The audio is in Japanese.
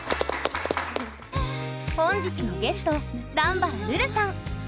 本日のゲスト段原瑠々さん！